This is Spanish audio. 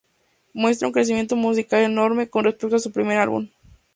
Muestra un crecimiento musical enorme, con respecto a su primer álbum.